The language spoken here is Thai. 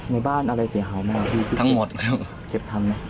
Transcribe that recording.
ในบ้านอะไรเสียหาวมากที่เก็บทำไหม